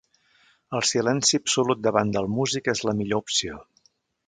El silenci absolut davant del músic és la millor opció.